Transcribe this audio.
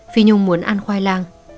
phi nhung muốn ăn khoai lang